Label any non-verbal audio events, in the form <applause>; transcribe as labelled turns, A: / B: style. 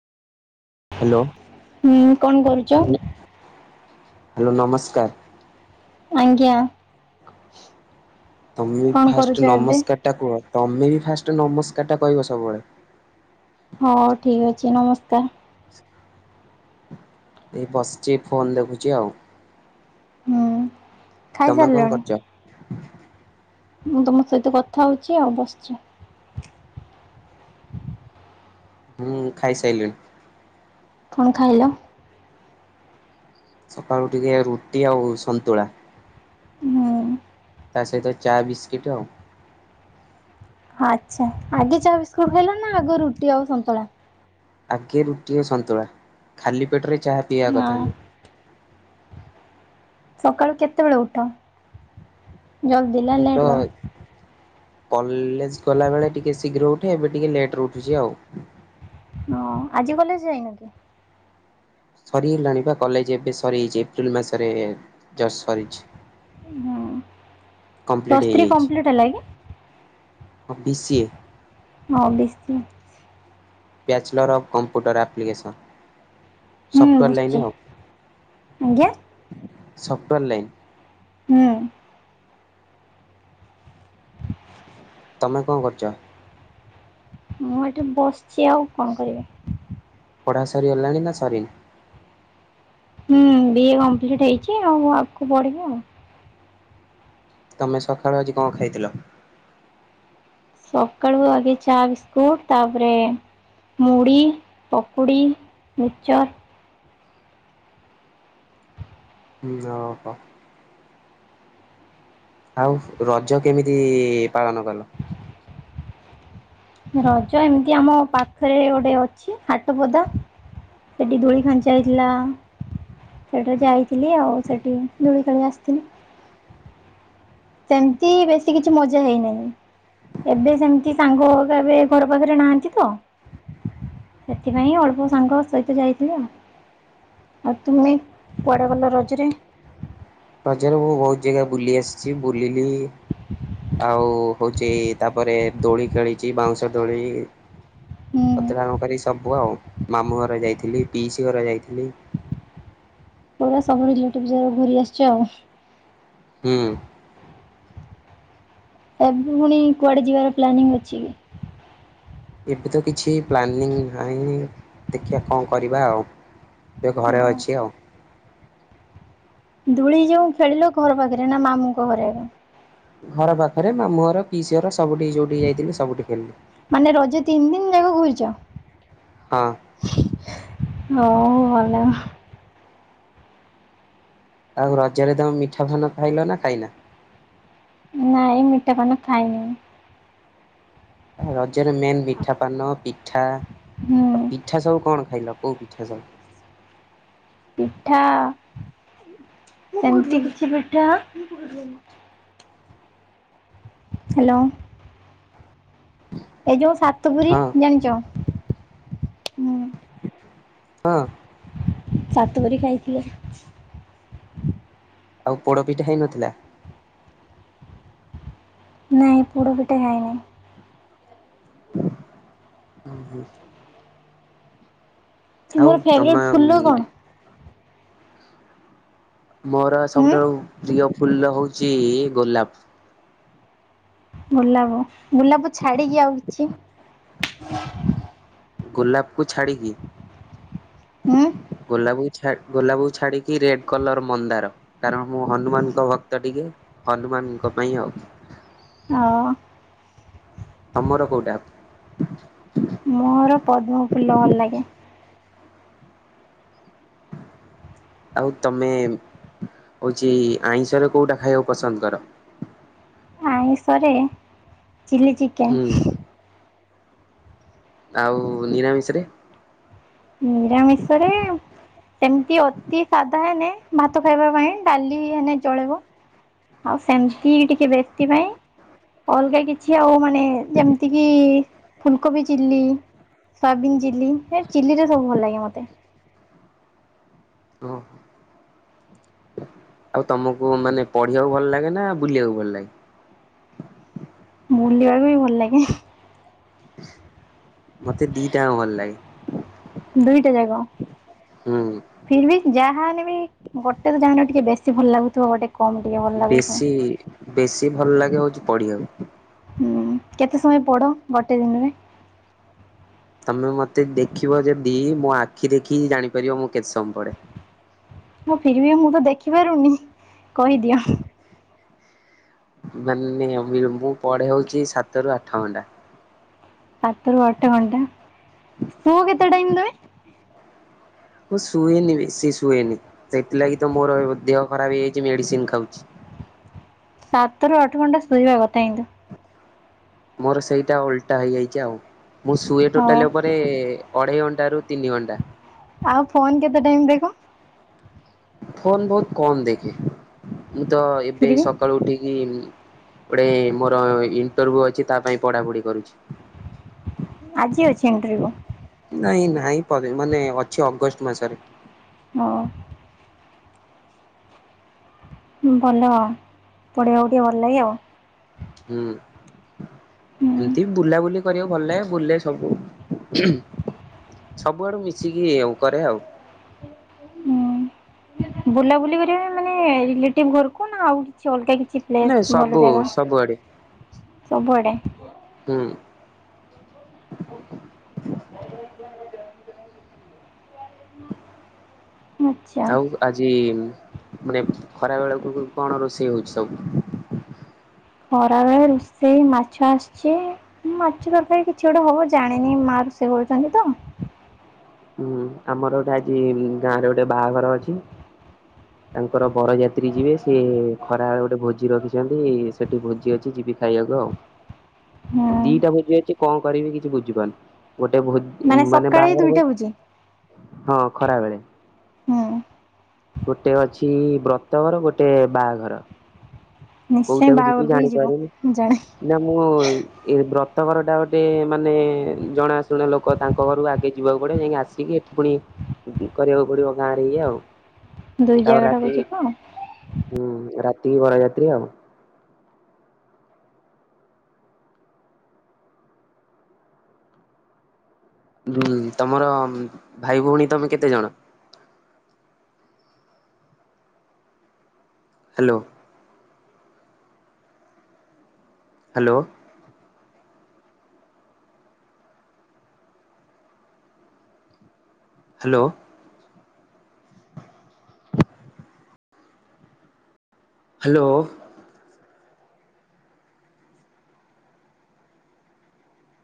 A: Hello.
B: ହୁଁ କଣ କରୁଛ?
A: ହ୍ୟାଲୋ ନମସ୍କାର।
B: ଆଜ୍ଞା।
A: ତମେ ବି
B: କଣ କରୁଛ
A: ଫାଷ୍ଟ
B: ଏବେ?
A: ନମସ୍କାର ଟା କୁହ ତମେ ବି ଫାଷ୍ଟ ନମସ୍କାର ଟା କହିବ ସବୁବେଳେ
B: ହଉ ଠିକ ଅଛି ନମସ୍କାର।
A: ଏ ବସିଛି ଫୋନ ଦେଖୁଛି ଆଉ।
B: ହଁ।
A: ତମେ କଣ କରୁଛ?
B: ମୁଁ ତମ ସହିତ କଥା ହଉଛି ଆଉ ବସିଛି।
A: ହୁଁ ଖାଇସାଇଲିଣି।
B: କଣ ଖାଇଲ?
A: ସକାଳୁ ଟିକେ ରୁଟି ଆଉ ସନ୍ତୁଳା।
B: ହୁଁ
A: ତା ସହିତ ଚା ବିସ୍କିଟ ଆ
B: ଆଚ୍ଛା ଆଗେ ଚା ବିସ୍କୁଟ ଖାଇଲ ନା ଆଗ ରୁଟି ଆଉ ସନ୍ତୁଳା?
A: ଆଗେ ରୁଟି ସନ୍ତୁଳା ଖାଲି ପେଟରେ ଚାହା ପିଇବା
B: ହଁ
A: କଥା ନୁହଁ।
B: ସକାଳୁ କେତେବେଳେ ଉଠ? ଜଲଦି ନା
A: ମୁଁ ତ
B: ଲେଟ କର?
A: କଲେଜ ଗଲା ବେଳେ ଟିକେ ଶୀଘ୍ର ଉଠେ ଏବେ ଟିକେ ଲେଟ ଉଠୁଛି ଆଉ।
B: ହଁ ଆଜି କଲେଜ ଯାଇନ କି?
A: ସରି ହେଲାଣି ବା କଲେଜ ଏବେ ସରି ହେଛି ଏପ୍ରିଲ ମାସରେ ଜଷ୍ଟ ସରିଛି।
B: ହୁଁ
A: କମ୍ପ୍ଲିଟ
B: ପ୍ଲସ୍ ଥ୍ରୀ କମ୍ପ୍ଲିଟ ହେଲା କି?
A: ପିସିଏ।
B: ହଁ ବିଶି।
A: ବ୍ୟାଚଲର ଅଫ୍ କମ୍ପ୍ୟୁଟର ଅପ୍ପଲିକେସନ ସନ୍।
B: ହୁଁ
A: ସଫ୍ଟୱାର
B: ବସିଛି।
A: ଲାଇନ ଆଉ।
B: ଆଜ୍ଞା
A: ସଫ୍ଟୱେୟାର ଲାଇନ୍।
B: ହୁଁ।
A: ତମେ କଣ କରୁଛ?
B: ମୁଁ ଏଠି ବସିଛି ଆଉ କଣ କରିବି।
A: ପଢା ସରିଗଲାଣି ନା ସରିନି?
B: ହୁଁ, ବିଏ କମ୍ପ୍ଲିଟ ହେଇଛି ଆଉ ଆଗକୁ ବଢିବି ଆଉ।
A: ତମେ ସକାଳୁ ଆଜି କଣ ଖାଇଥିଲ?
B: ସକାଳୁ ଆଗେ ଚାହା, ବିସ୍କୁଟ, ତାପରେ ମୁଢି, ପକୁଡ଼ି ମିକଚର୍।
A: ହଁ ଓ ହୋ। ଆଉ ରଜ କେମିତି ପାଳନ କଲ?
B: ରଜ ଏମିତି ଆମ ପାଖରେ ଗୋଟେ ଅଛି ହାଟ ପଦା ସେଠି ଧୂଳି ଖାଞ୍ଚା ହେଇଥିଲା ସେଠାରେ ଯାଇଥିଲି ଆଉ ସେଠି ଧୂଳି ଖେଳି ଆସିଥିଲି। ସେମିତି ବେଶୀ କିଛି ମଜା ହେଇନାହିଁ ଏବେ ସେମିତି ସାଙ୍ଗ ଏବେ ଘର ପାଖରେ ନାହାନ୍ତି ତ ସେଥିପାଇଁ ଅଳ୍ପ ସାଙ୍ଗ ସହିତ ଯାଇଥିଲି ଆଉ ଆଉ। ତୁମେ କୁଆଡେ ଗଲ ରଜରେ?
A: ରଜରେ ମୁଁ ବହୁତ ଜାଗା ବୁଲି ଆସିଛି ବୁଲିଲି ଆଉ ହଉଛି ତାପରେ ଦୋଳି ଖେଳିଛି ବାଉଁଶ ଦୋଳି
B: ହୁଁ
A: କଥା କଣ କରି ସବୁ ଆଉ ମାମୁଁ ଘର ଯାଇଥିଲି ପିଇସି ଘର ଯାଇଥିଲି।
B: ପୁରା ସବୁ କିଛି ଲୁଟିବ୍ ବୁଲି ଆସିଛ ଆଉ।
A: ହୁଁ।
B: ଏବେ ପୁଣି କୁଆଡେ ଯିବାର ପ୍ଲାନିଂ ଅଛି କି?
A: ଏବେ ତ କିଛି ପ୍ଲାନିଂ ନାହିଁ ଦେଖିବା କଣ କରିବା ଆଉ ଏ ଘରେ ଅଛି
B: ହଁ
A: ଆଉ।
B: ଧୂଳି ଯୋଉ ଖେଳିଲୁ ଘର ପାଖରେ ନା ମାମୁଙ୍କ ଘରେ?
A: ଘର ପାଖରେ, ମାମୁଁ ଘର, ପିଇସି ଘର ସବୁଠି ଯୋଉଠି ଯାଇଥିଲି ସବୁଠି ଖେଲି।
B: ମାନେ ରଜ ତିନି ଦିନ ଯାକ ଘୁରିଛ।
A: ହଁ
B: ହଉ ଭଲ।
A: ଆଉ ରଜରେ ତମେ ମିଠା ଫାନ ଖାଇଲ ନା ଖାଇନା?
B: ନାଇଁ ମିଠା ପାନ ଖାଇନି।
A: ରଜରେ ମେନ୍ ମିଠା ପାନ, ପିଠା,
B: ହୁଁ
A: ଆଉ ପିଠା ସବୁ କଣ ଖାଇଲ? କଉ ପିଠାଯା?
B: ପିଠା ଏମିତି କିଛି ପିଠା। ହ୍ୟାଲୋ। ଏ ଯୋ ସାତଗୁୁରି
A: ହଁ
B: ଜାଣିଛ? ହୁଁ
A: ହଁ।
B: ସାତ ବରି ଖାଇଥିଲେ।
A: ଆଉ ପୋଡପିଠା ହେଇ ନଥିଲା?
B: ନାଇଁ ପୁଡ ପିଟା ଖାଉ ନାହିଁ।
A: <unintelligible> ଆଉ
B: ତୁମର
A: ତମ
B: ଫେବରଟ ଫୁଲ କଣ?
A: ମୋର
B: ହୁଁ
A: ସବୁଠାରୁ ପ୍ରିୟ ଫୁଲ ହୋଉଚି ଗୋଲାପ।
B: ଗୋଲାପ। ଗୋଲାପ ଛାଡିକି ଆଉ କିଛି? <inaudible>
A: ଗୋଲାପକୁ ଛାଡ଼ିକି?
B: ଉଁ।
A: ଗୋଲାପକୁ ଛା ଗୋଲାପକୁ ଛାଡିକି ରେଡ କଲର ମନ୍ଦାର କାରଣ ମୁଁ ହନୁମାନଙ୍କ ଭକ୍ତ ଟିକେ ହନୁମାନଙ୍କ ପାଇଁ ଆଉ।
B: ଅ
A: ତମର କୋଉଟା?
B: ମୋର ପଦ୍ମ ଫୁଲ ଭଲଲାଗେ।
A: ଆଉ ତମେ ହୋଉଚି ଆଇଁଷରେ କୋଉଟା ଖାଇବାକୁ ପସନ୍ଦ କର?
B: ଆଇଁଷରେ ଚିଲ୍ଲି ଚିକନ୍।
A: ହୁଁ ଆଉ ନିରାମିଂଷରେ?
B: ନିରାମିଷରେ ସେମତି ଅତି ଶାଧା ହେନେ ଭାତ ଖାଇବା ପାଇଁ ଡାଲି ହେନେ ଚଳିବ ଆଉ ସେମତି ଟି କେ ବେଶୀ ନାଇଁ ଅଲଗା କିଛି ଆଉ ମାନେ ଯେମତି କିି ଫୁଲକୋବି ଚିଲ୍ଲି ସୋୟାବିିନ ଚିଲ୍ଲି ହେ ଚିଲିରେ ସବୁ ଭଲଲାଗେ ମତେ।
A: ଓଃ। ଆଉ ତମକୁ ମାନେ ପଢିବାକୁ ଭଲ ଲାଗେ ନା ବୁଲିବାକୁ ଭଲ ଲାଗେ?
B: ବୁଲିବାକୁ ହିଁ ଭଲଲାଗେ।
A: ମତେ ଦିଇଟା ଆଙ୍କ ଭଲଲାଗେ।
B: ଦୁଇଟା ଜାକ।
A: ହୁଁ।
B: ଯାହା ହେନେ ବି ଗୋଟେ ତ ଯାହାନେ ଟିକେ ବେଶୀ ଭଲ ଲାଗୁଥିବ ଗୋଟେ କମ୍ ଟିକେ ଭଲ ଲାଗୁଥିବ
A: ବେଶୀ ବେଶୀ ଭଲ ଲାଗେ ହୋଉଚି ପଢିବାକୁ।
B: ହୁଁ କେତେ ସମୟ ପଢ ଗୋଟେ ଦିନରେ?
A: ତମେ ମତେ ଦେଖିବ ଯଦି ମୋ ଆଖି ଦେଖିକି ଜାଣିପାରିବ ମୁଁ କେତେ ସମୟ ପଢେ।
B: ହଁ ଫିର୍ ଭି ମୁଁ ତ ଦେଖିପାରୁନି କହିଦିଅ।
A: ମାନେ ମୁଇ ମୁଁ ପଢେ ହୋଉଚି ସାତରୁ ଆଠ ଘଣ୍ଟା।
B: ସାତରୁ ଆଠ ଘଣ୍ଟା ଶୁଅ କେତେ ଟାଇମ ତମେ?
A: ମୁଁ ଶୁଏନି ବେଶୀ ଶୁଏନି, ସେଥିଲାଗି ତ ମୋର ଦେହ ଖରାପ ହେଇଯାଇଚି ମେଡିସିନ ଖାଉଚି।
B: ସାତରୁ ଆଠ ଘଣ୍ଟା ଶୋଇବା କଥା କିନ୍ତୁ।
A: ମୋର ସେଇଟା ଓଲଟା ହେଇଯାଇଚି ଆଉ। ମୁଁ ସୁଏ
B: ହଉ
A: ଟୋଟାଲି ଉପରେ ଅଢ଼େଇ ଘଣ୍ଟାରୁ ତିନି ଘଣ୍ଟା।
B: ଆଉ ଫୋନ୍ କେତେ ଟାଇମ୍ ଦେଖ?
A: ଫୋନ୍ ବହୁତ କମ୍ ଦେଖେ। ମୁଁ ତ ଏବେ
B: ଫିର୍ ବି
A: ସକାଳୁ ଉଠିକି ଗୋଟେ ମୋର ଇଣ୍ଟରଭ୍ୟୁ ଅଛି ତା ପାଇଁ ପଢାପଢି କରୁଛି।
B: ଆଜି ଅଛି ଇଣ୍ଟରଭିୟୁ?
A: ନାଇଁ ନାଇଁ ପର୍- ମାନେ ଅଛି ଅଗଷ୍ଟ ମାସରେ।
B: ହଁ। ଭଲ ପଢ଼ିବାକୁ ଟିକେ ଭଲ ଲାଗେ ଆଉ।
A: ହୁଁ। ଏମିତି ବୁଲାବୁଲି କରିବାକୁ ଭଲ ଲାଗେ ବୁଲେ ସବୁ ସବୁଆଡୁ ମିଶିକି ଆଉ କରେ ଆଉ।
B: ବୁଲାବୁଲି କରିବା ମାନେ ରିଲେଟିଭ ଘରକୁ ନା ଆଉ କିଛି ଅଲଗା କିଛି? କିଛି
A: ମାନେ
B: ପ୍ଲେସ୍ ଭଲ
A: ସବୁ
B: ଜାଗା?
A: ସବୁଆଡେ
B: ସବୁଆଡ଼େ।
A: ହୁଁ।
B: ଆଚ୍ଛା।
A: ଆଉ ଆଜି ମାନେ ଖରା ବେଳକୁ କଣ ରୋଷେଇ ହଉଛି ସବୁ?
B: ଖରାବେଳେ ରୋଷେଇ ମାଛ ଆସିଛି ମାଛ ତରକାର କିଛି ଗୋଟେ ହବ ଜାଣିନି ମା ରୋଷେଇ କରୁଛନ୍ତି ତ।
A: ହୁଁ ଆମର ଗୋଟେ ଆଜି ଗାଁରେ ଗୋଟେ ବାହାଘର ଅଛି ତାଙ୍କର ବରଯାତ୍ରୀ ଯିବେ ସିଏ ଖରାବେଳେ ଗୋଟେ ଭୋଜି ରଖିଛନ୍ତି ସେଠି ଭୋଜି ଅଛି ଯିବି ଖାଇବାକୁ ଆଉ ଦିଟା ଭୋଜି ଅଛି କଣ କରିବି କିଛି ବୁଝିପାରୁନି। ଗୋଟେ ଭ୍ ମାନେ
B: ସକାଳେ ଏଇ
A: ବାହାଘର
B: ଦୁଇଟା ଭୋଜି?
A: ଭୋଜ୍ ହଁ ଖରା ବେଳେ।
B: ହୁଁ।
A: ଗୋଟେ ଅଛି ବ୍ରତଘର ଗୋଟେ ବାହାଘର।
B: ନିଶ୍ଚୟ
A: କୋଉଟାକୁ ଯିବି
B: ବାହାଘରକୁ ହିଁ ଯିବ
A: ଜାଣିପାରୁନି
B: ଜଣେ
A: ନା ମୁଁ ଏ ବ୍ରତ। ବ୍ରତ ଘର ଟା ଗୋଟେ ମାନେ ଜଣାଶୁଣା ଲୋକ ତାଙ୍କ ଘରକୁ ଆଗେ ଯିବାକୁ ପଡିବ ଯାଇକି ଆସିକି ଏଠି ପୁଣି କରିବାକୁ ପଡିବ ଗାଁ ରେ ଏୟା ଆଉ।
B: ଦୁଇ
A: ତାପରେ
B: ଜାଗାଟାକୁ ଯିବା ଆଉ।
A: ତି ବରା ଯାତ୍ରି ଆଉ। ହୁଁ ତମର ଭାଇ ଭଉଣୀ ତମେ କେତେ ଜଣ? ହ୍ୟାଲୋ। ହ୍ୟାଲୋ। ହ୍ୟାଲୋ। ହ୍ୟାଲୋ।